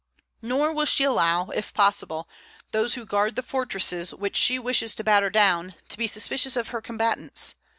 Nor will she allow, if possible, those who guard the fortresses which she wishes to batter down to be suspicious of her combatants.